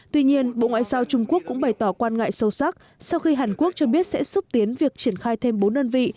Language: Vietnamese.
tuy nhiên bộ ngoại giao trung quốc cũng bày tỏ quan ngại sâu sắc sau khi hàn quốc cho biết sẽ xúc tiến việc triển khai thêm bốn đơn vị